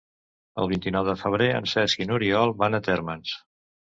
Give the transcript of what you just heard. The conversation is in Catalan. El vint-i-nou de febrer en Cesc i n'Oriol van a Térmens.